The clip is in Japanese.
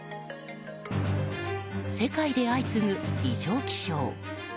世界で相次ぐ異常気象。